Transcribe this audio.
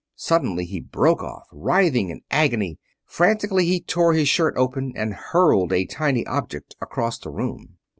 Suddenly he broke off, writhing in agony. Frantically he tore his shirt open and hurled a tiny object across the room.